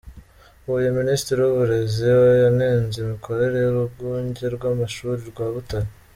Huye: Minisitiri w’Uburezi yanenze imikorere y’Urwunge rw’Amashuri rwa Butare.